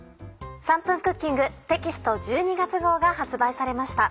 『３分クッキング』テキスト１２月号が発売されました。